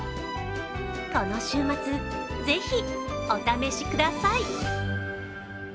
この週末、ぜひお試しください。